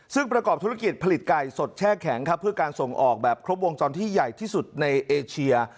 ซึ่งประกอบธุรกิจผลิตไก่สดแช่แข็งครับเพื่อการส่งออกแบบครบวงจรที่ใหญ่ที่สุดในเอเชีย